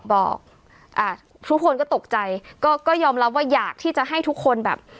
บอกอ่าทุกคนก็ตกใจก็ก็ยอมรับว่าอยากที่จะให้ทุกคนแบบ